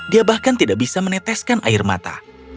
dia bahkan tidak bisa meneteskan air mata